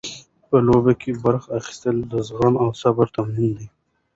په لوبو کې برخه اخیستل د زغم او صبر تمرین دی.